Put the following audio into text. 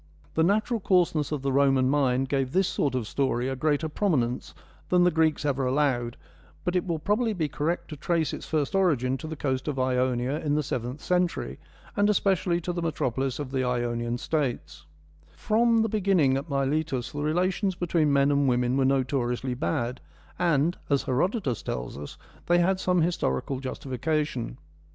The natural coarseness of the Roman mind gave this sort of story a greater prominence than the Greeks ever allowed, but it will probably be correct to trace its first origin to the coast of Ionia in the seventh century and especially to the metropolis of the Ionian Statesa From the beginning at Miletus the relations between men and women were notoriously bad, and, as Herodotus tells us, they had some historical justification.